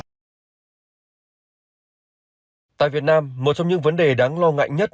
trong thời việt nam một trong những vấn đề đáng lo ngại nhất